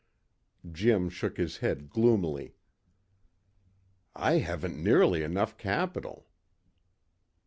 Jim shook his head gloomily. "I haven't nearly enough capital."